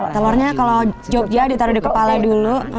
telurnya kalau jogja ditaruh di kepala dulu